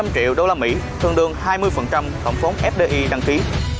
bốn trăm linh triệu usd thường đường hai mươi tổng phóng fdi đăng ký